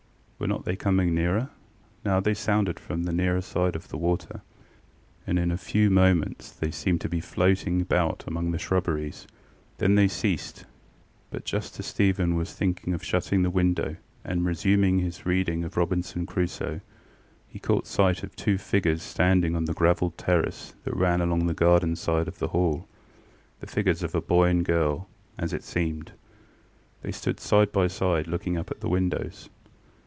Were not they coming nearer? Now they sounded from the nearer side of the water, and in a few moments they seemed to be floating about among the shrubberies. Then they ceased; but just as Stephen was thinking of shutting the window and resuming his reading of Robinson Crusoe, he caught sight of two figures standing on the gravelled terrace that ran along the garden side of the HallŌĆöthe figures of a boy and girl, as it seemed; they stood side by side, looking up at the windows.